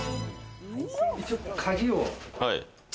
一応鍵を。